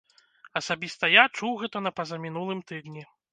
Асабіста я чуў гэта на пазамінулым тыдні.